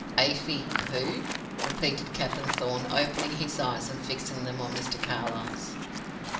"Afy who?" repeated Captain Thorn, opening his eyes, and fixing them on Mr. Carlyle's.